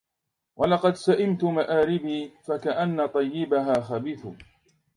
ولقد سئمت مآربي فكأن طيبها خبيث